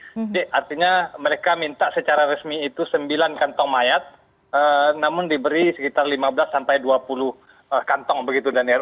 jadi artinya mereka minta secara resmi itu sembilan kantong mayat namun diberi sekitar lima belas dua puluh kantong begitu daniel